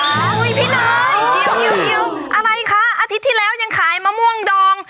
อุ้ยพี่น้อยเดี๋ยวอะไรคะอาทิตย์ที่แล้วยังขายมะม่วงดอง